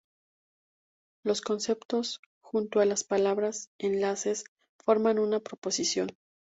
Los conceptos, junto a las palabras- enlaces, forman una proposición.